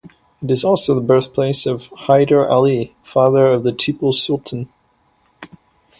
It is also the birthplace of Hyder Ali, father of Tipu Sultan.